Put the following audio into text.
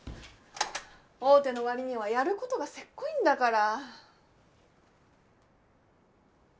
大手の割にはやることがセコいんだから。